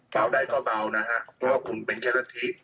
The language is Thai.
เบาได้ก็เบานะฮะเพราะว่าคุณเป็นแค่รัฐธิ